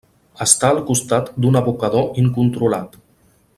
Està al costat d'un abocador incontrolat.